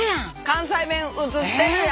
関西弁うつってるやん。